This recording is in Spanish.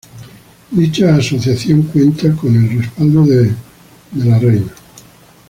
Dicha asociación cuenta con el respaldo de la Reina Letizia.